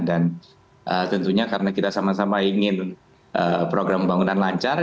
dan tentunya karena kita sama sama ingin program pembangunan lancar